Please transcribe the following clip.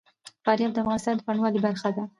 فاریاب د افغانستان د بڼوالۍ برخه ده.